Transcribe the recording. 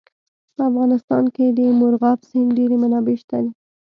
په افغانستان کې د مورغاب سیند ډېرې منابع شته.